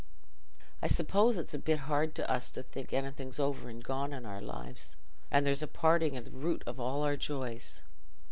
I suppose it's a bit hard to us to think anything's over and gone in our lives; and there's a parting at the root of all our joys.